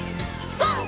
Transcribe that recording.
ＧＯ！